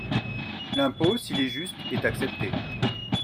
L’impôt, s’il est juste, est accepté.